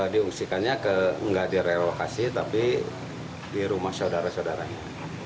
diungsikannya nggak direlokasi tapi di rumah saudara saudaranya